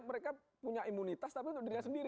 mereka punya imunitas tapi untuk dirinya sendiri